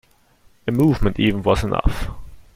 A movement even was enough.